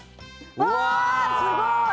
うわあ、すごい！